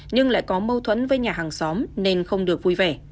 nhưng lại có mâu thuẫn với nhà hàng xóm nên không được vui vẻ